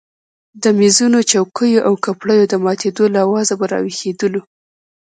د مېزونو چوکیو او کپړیو د ماتېدو له آوازه به راویښېدلو.